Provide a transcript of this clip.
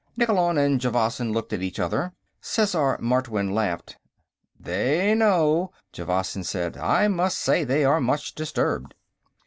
Nikkolon and Javasan looked at each other. Sesar Martwynn laughed. "They know," Javasan said. "I must say they are much disturbed."